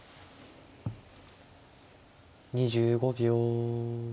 ２５秒。